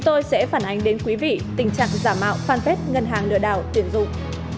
tôi sẽ phản ánh đến quý vị tình trạng giả mạo phan tết ngân hàng lửa đảo tuyển dụng